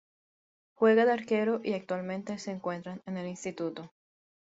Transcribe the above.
Juega de arquero y actualmente se encuentra en el Instituto.